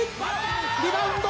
リバウンド。